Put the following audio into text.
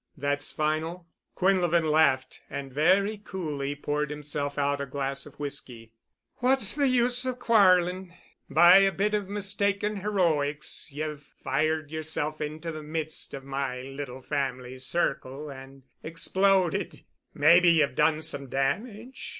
"That's final?" Quinlevin laughed and very coolly poured himself out a glass of whisky. "What's the use of quarreling? By a bit of mistaken heroics ye've fired yerself into the midst of my little family circle and exploded. Maybe ye've done some damage.